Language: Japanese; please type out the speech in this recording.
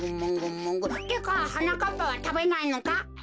ってかはなかっぱはたべないのか？